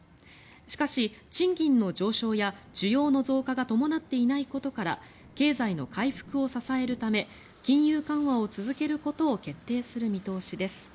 しかし、賃金の上昇や需要の増加が伴っていないことから経済の回復を支えるため金融緩和を続けることを決定する見通しです。